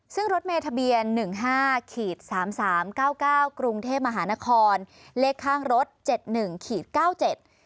ซึ่งรถเมทะเบียนหนึ่งห้าขีดสามสามเก้าเก้ากรุงเทพมหานครเลขข้างรถเจ็ดหนึ่งขีดเก้าเจ็ด